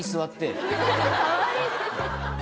かわいい！